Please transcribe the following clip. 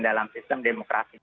dalam sistem demokrasi